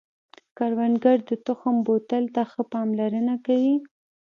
کروندګر د تخم بوتل ته ښه پاملرنه کوي